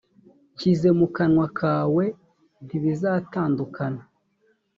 nshyize mu kanwa kawe ntibizatandukana